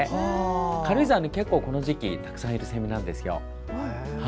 軽井沢に結構この時期たくさんいるんですよ。